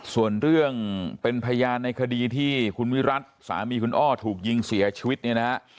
ส่วนเรื่องเป็นพยานในคดีที่คุณวิรัติสามีคุณอ้อถูกยิงเสียชีวิตเนี่ยนะฮะ